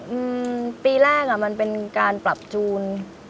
อืมปีแรกอ่ะมันเป็นการปรับจูน